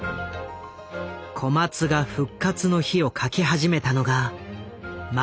小松が「復活の日」を書き始めたのがまさにその時代。